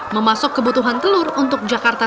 memasuk kebutuhan telur untuk jakarta